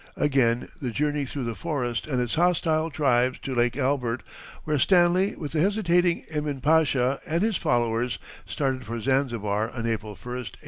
Again the journey through the forest and its hostile tribes to Lake Albert, where Stanley with the hesitating Emin Pasha and his followers started for Zanzibar on April 1, 1889.